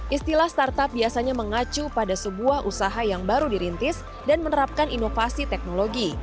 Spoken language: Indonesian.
istilah startup biasanya mengacu pada sebuah usaha yang baru dirintis dan menerapkan inovasi teknologi